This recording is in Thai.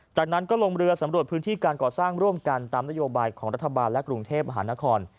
จากนั้นก็ลงเรือสำรวจพื้นที่การก่อสร้างร่วมกันตามนโยบายของรัฐบาลและกรุงเทพมหานคร